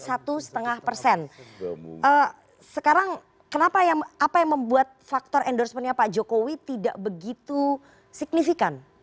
sekarang kenapa yang apa yang membuat faktor endorsement nya pak jokowi tidak begitu signifikan